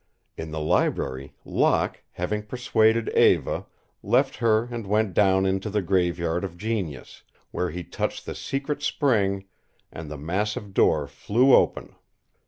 In the library, Locke, having persuaded Eva, left her and went down into the Graveyard of Genius, where he touched the secret spring and the massive door flew open.